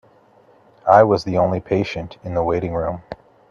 I was the only patient in the waiting room.